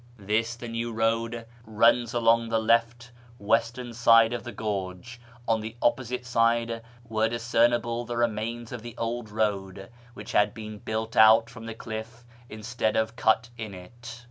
This, the new road, runs along the left (western) side of the gorge ; on the opposite side were discernible the remains of the old road, which had been built out from the cliff instead of cut in it.